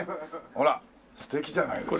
ほら素敵じゃないですか。